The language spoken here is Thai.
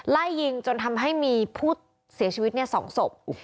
ไล่ยิงจนทำให้มีผู้เสียชีวิต๒ศพ